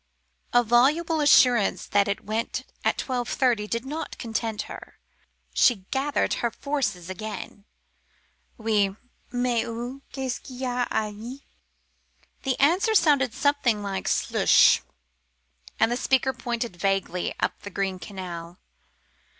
A voluble assurance that it went at twelve thirty did not content her. She gathered her forces again. "Oui; mais où est ce qu'il va aller ?" The answer sounded something like "Sloosh," and the speaker pointed vaguely up the green canal.